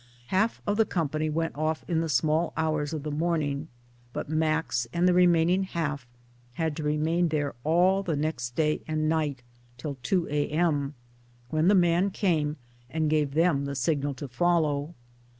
Half of the company went off in the small hours of the morning, but Max and the remaining half had to remain there all the next day and night till 2 a.m., when the man came and gave them the signal to follow.